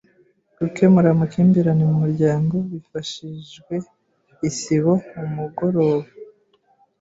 gukemura amakimbirane mu muryango hifashishijwe Isibo Umugoroba